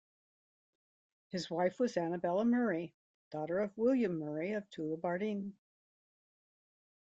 His wife was Annabella Murray, daughter of William Murray of Tullibardine.